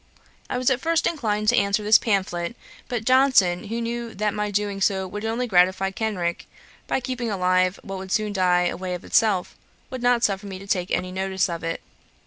I was at first inclined to answer this pamphlet; but Johnson, who knew that my doing so would only gratify Kenrick, by keeping alive what would soon die away of itself, would not suffer me to take any notice of it.